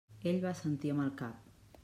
Ell va assentir amb el cap.